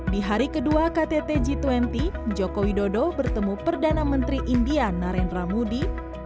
di hari kedua ktt g dua puluh joko widodo bertemu perdana menteri india narendra moody